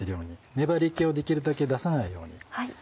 粘り気をできるだけ出さないように。